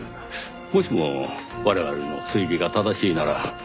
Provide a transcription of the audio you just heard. もしも我々の推理が正しいなら。